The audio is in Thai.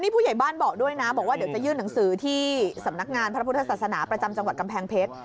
เดี๋ยวจะยื่นถึงสื่อที่สำนักงานพระพุทธศาสนาประจำจังหวัดกำแพงเพชร